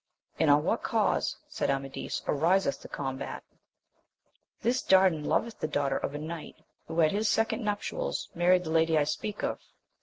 And on what cause, said Amadis, ariseth the combat ?— This Dardan loveth the daughter of a knight, who at his second nuptials, married the lady I speak of.